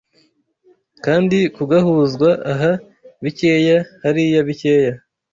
kandi kugahuzwa Aha bikeya, hariya bikeya.